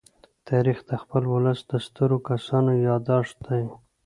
تاریخ د خپل ولس د سترو کسانو يادښت دی.